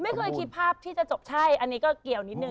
ไม่เคยคิดภาพที่จะจบใช่อันนี้ก็เกี่ยวนิดนึ